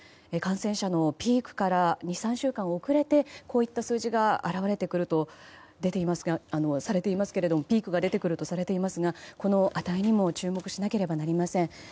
感染者のピークから２３週間遅れてこういった数字が表れてくるとされていますけどピークが出てくるとされていますがこの値にも注目しなければいけません。